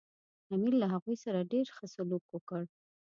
امیر له هغوی سره ډېر ښه سلوک وکړ.